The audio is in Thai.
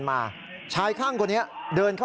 โทษทีโทษที